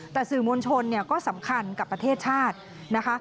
แต่สื่อมวลชนเนี่ยก็สำคัญกับประเทศชาตินะคะ